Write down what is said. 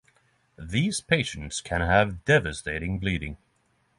These patients can have devastating bleeding.